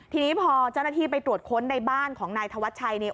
ทีนี้พอเจ้าหน้าที่ไปตรวจค้นในบ้านของนายธวัชชัยเนี่ย